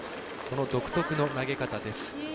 独特の投げ方です。